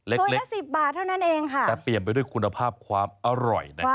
ตัวละ๑๐บาทเท่านั้นเองค่ะแต่เปลี่ยนไปด้วยคุณภาพความอร่อยนะครับ